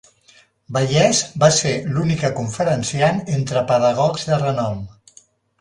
Vallès va ser l’única conferenciant entre pedagogs de renom.